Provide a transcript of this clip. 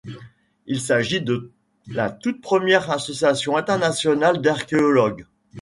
Il s'agit de la toute première association internationale d'archéologues.